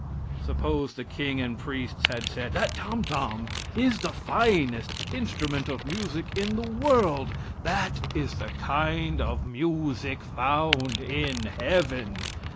Suppose the king and priests had said: "That tomtom is the finest instrument of music in the world that is the kind of music found in heaven.